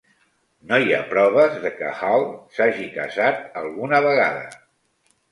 No hi ha proves de que Hall s"hagi casat alguna vegada.